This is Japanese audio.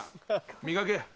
磨け。